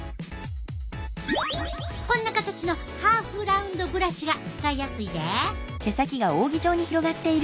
こんな形のハーフラウンドブラシが使いやすいで。